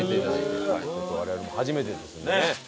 我々も初めてですもんね。